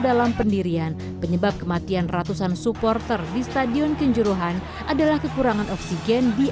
dalam pendirian penyebab kematian ratusan supporter di stadion kanjuruhan adalah kekurangan oksigen di